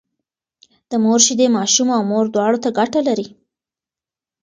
د مور شيدې ماشوم او مور دواړو ته ګټه لري